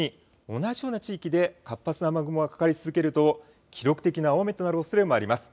同じような地域で活発な雨雲がかかり続けると記録的な大雨となるおそれもあります。